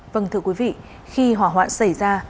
vâng thưa quý vị khi hỏa hoạn xảy ra